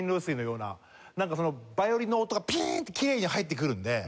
なんかそのヴァイオリンの音がピーンときれいに入ってくるんで。